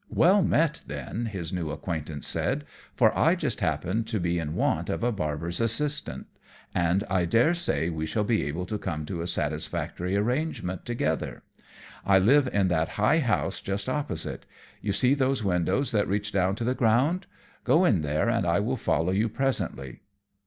"Well met then," his new acquaintance said, "for I just happen to be in want of a barber's assistant, and I dare say we shall be able to come to a satisfactory arrangement together. I live in that high house just opposite. You see those windows that reach down to the ground. Go in there, and I will follow you presently."